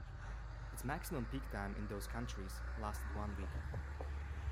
Its maximum peak time in those countries lasted one week.